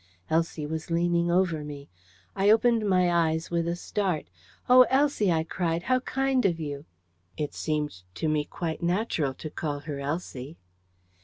Elsie was leaning over me. I opened my eyes with a start. "Oh, Elsie," I cried, "how kind of you!" It seemed to me quite natural to call her Elsie.